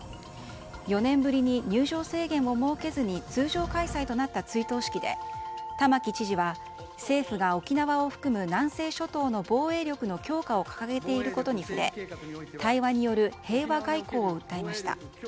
４年ぶりに入場制限を設けずに通常開催となった追悼式で玉城知事は、政府が沖縄を含む南西諸島の防衛力の強化を掲げていることに触れ対話による平和外交を訴えました。